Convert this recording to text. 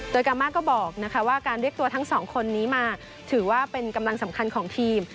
โดยกามาก็บอกว่าการเรียกตัวทั้งสองคนนี้มาถือว่าเป็นกำลังสำคัญของทีม